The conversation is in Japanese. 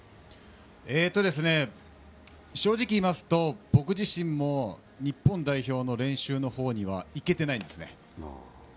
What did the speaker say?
正直言いますと僕自身も日本代表の練習には行けてないんですね。